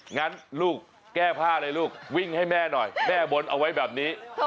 งั้นลูกแก้ผ้าเลยลูกวิ่งให้แม่หน่อยแม่บนเอาไว้แบบนี้